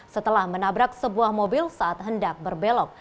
setelah menabrak sebuah mobil saat hendak berbelok